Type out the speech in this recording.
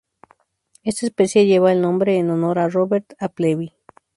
Esta especie lleva el nombre en honor a Robert Appleby.